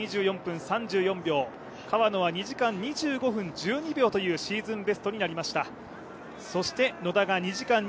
川野は２時間２２分１２秒というシーズンベストになりました。